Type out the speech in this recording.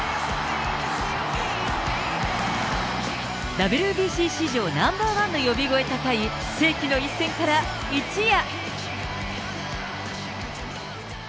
ＷＢＣ史上ナンバーワンの呼び声高い世紀の一戦から、一夜。